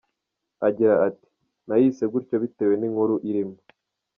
Agira ati “Nayise gutyo bitewe n’inkuru irimo.